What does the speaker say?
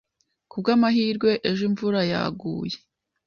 Kubwamahirwe, ejo imvura yaguye.